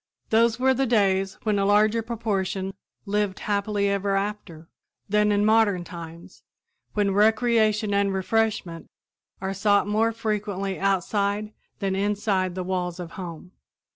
Those were the days when a larger proportion "lived happy ever after" than in modern times, when recreation and refreshment are sought more frequently outside than inside the walls of home.